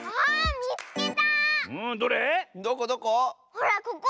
ほらここ。